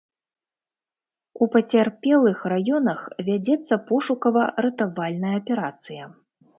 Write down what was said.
У пацярпелых раёнах вядзецца пошукава-ратавальная аперацыя.